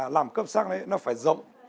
làm cơm xác đấy nó phải rộng